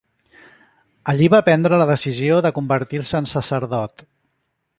Allí va prendre la decisió de convertir-se en sacerdot.